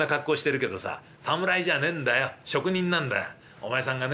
お前さんがね